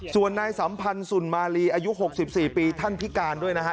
ส่วนนายสัมพันธ์สุนมาลีอายุ๖๔ปีท่านพิการด้วยนะฮะ